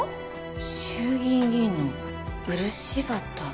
衆議院議員の漆畑って。